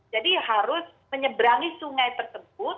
jadi harus menyebrangi sungai tersebut